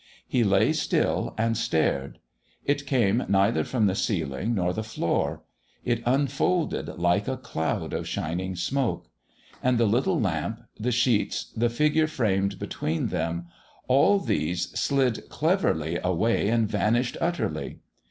He lay still and stared. It came neither from the ceiling nor the floor; it unfolded like a cloud of shining smoke. And the little lamp, the sheets, the figure framed between them all these slid cleverly away and vanished utterly.